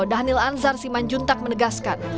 prabowo subianto dhanil anzar simanjuntak menegaskan